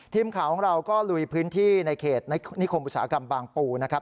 ทีมข่าวของเราก็ลุยพื้นที่ในเขตนิคมอุตสาหกรรมบางปูนะครับ